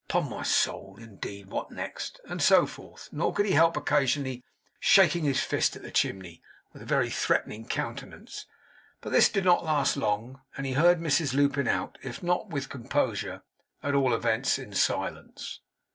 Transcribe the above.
Upon my soul! In deed! What next?' and so forth; nor could he help occasionally shaking his fist at the chimney, with a very threatening countenance; but this did not last long; and he heard Mrs Lupin out, if not with composure, at all events in silence.